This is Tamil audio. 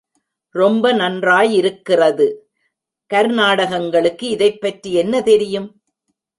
ரொம்ப நன்யிறாருக்கிறது...... கர்னாடகங்களுக்கு இதைப்பற்றி என்ன தெரியும்?